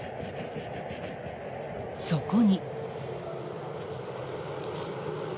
［そこに］